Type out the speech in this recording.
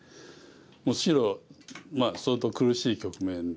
もう白相当苦しい局面ですね。